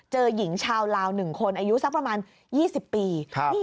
หญิงชาวลาว๑คนอายุสักประมาณ๒๐ปี